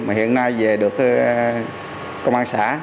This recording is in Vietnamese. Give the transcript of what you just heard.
mà hiện nay về được công an xã